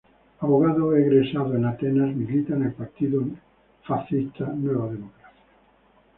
Abogado egresado en Atenas, milita en el partido Nueva Democracia.